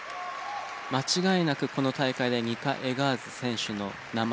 間違いなくこの大会でニカ・エガーゼ選手の名前